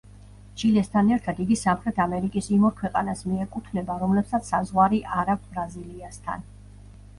ჩილესთან ერთად იგი სამხრეთ ამერიკის იმ ორ ქვეყანას მიეკუთვნება, რომლებსაც საზღვარი არ აქვთ ბრაზილიასთან.